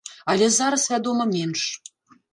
Але зараз, вядома, менш.